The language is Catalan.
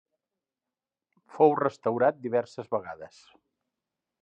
Fou restaurat diverses vegades.